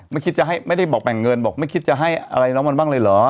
ไม่คิดจะให้ไม่ได้บอกแบ่งเงินบอกไม่คิดจะให้อะไรน้องมันบ้างเลยเหรอ